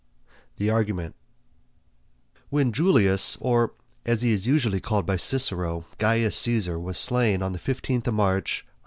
THE ARGUMENT When Julius, or, as he is usually called by Cicero Caius Caesar was slain on the 15th of March, A.